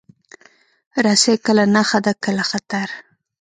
رسۍ کله نښه ده، کله خطر.